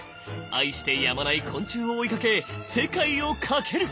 愛してやまない昆虫を追いかけ世界を駆ける！